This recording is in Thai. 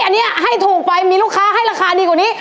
อันนี้ให้ถูกไปมีลูกค้าให้ราคาดีกว่านี้